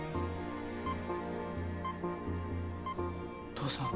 父さん。